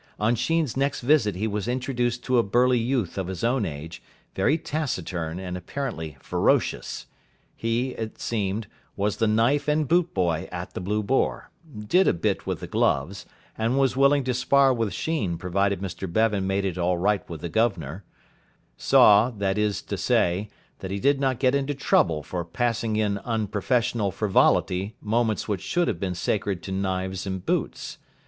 On Sheen's next visit he was introduced to a burly youth of his own age, very taciturn, and apparently ferocious. He, it seemed, was the knife and boot boy at the "Blue Boar", "did a bit" with the gloves, and was willing to spar with Sheen provided Mr Bevan made it all right with the guv'nor; saw, that is so say, that he did not get into trouble for passing in unprofessional frivolity moments which should have been sacred to knives and boots.